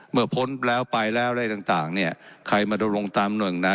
เมื่อพ้นแล้วไปแล้วอะไรต่างต่างเนี่ยใครมาตรงตามหน่วยอย่างนั้น